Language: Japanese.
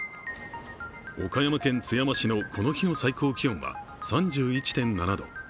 岡山県津山市のこの日の最高気温は３１．７度。